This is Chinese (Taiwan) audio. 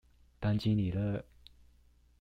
當經理了